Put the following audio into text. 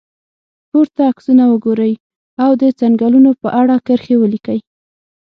پورته عکسونو ته وګورئ او د څنګلونو په اړه کرښې ولیکئ.